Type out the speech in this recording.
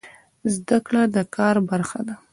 زده کړه د کار برخه ده